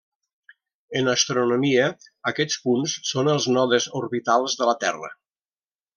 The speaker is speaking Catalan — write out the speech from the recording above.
En astronomia, aquests punts són els nodes orbitals de la Terra.